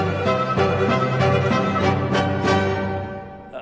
あ。